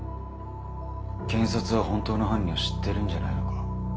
検察は本当の犯人を知ってるんじゃないのか？